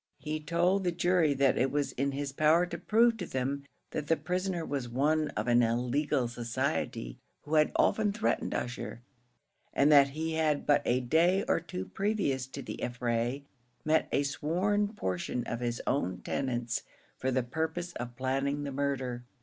He told the jury that it was in his power to prove to them that the prisoner was one of an illegal society who had often threatened Ussher, and that he had but a day or two previous to the affray met a sworn portion of his own tenants for the purpose of planning the murder.